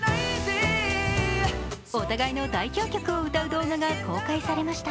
お互いの代表曲を歌う動画が公開されました。